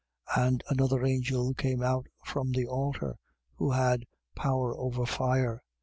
14:18. And another angel came out from the altar, who had power over fire.